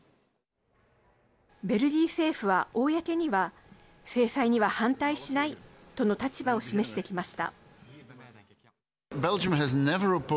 ベルギー政府は公には制裁には反対しないとの立場を示してきました。